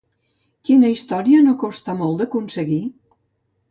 Quina història no costa molt d'aconseguir?